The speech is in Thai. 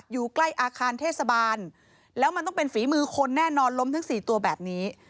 อยู่ใกล้อาคารเทศบาลแล้วมันต้องเป็นฝีมือคนแน่นอนล้มทั้งสี่ตัวแบบนี้